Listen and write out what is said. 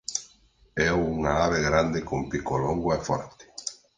É unha ave grande con pico longo e forte.